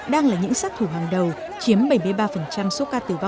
đang là những sát thủ hàng đầu chiếm bảy mươi ba số cao